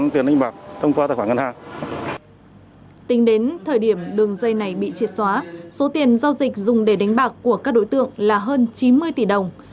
tính đến thời điểm đường dây này bị triệt xóa số tiền giao dịch dùng để đánh bạc của các đối tượng là hơn chín mươi tỷ đồng